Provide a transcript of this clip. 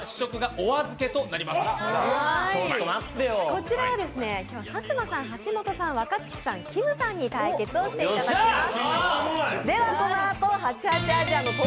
こちらは佐久間さん、橋本さん、若槻さん、きむさんに対決をしていただきます。